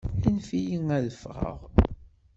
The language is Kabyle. Anfem-iyi ad ffɣeɣ!